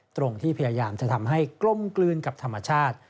ตรงที่พยายามจะทำให้กลมกลืนกับธรรมชาติ